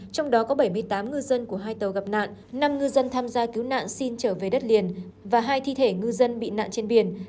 trong đó có bảy mươi tám ngư dân của hai tàu gặp nạn năm ngư dân tham gia cứu nạn xin trở về đất liền và hai thi thể ngư dân bị nạn trên biển